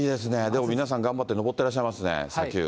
でも皆さん、頑張って上ってらっしゃいますね、砂丘。